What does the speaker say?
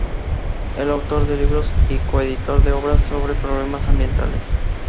Es autor de libros y coeditor de obras sobre problemas ambientales.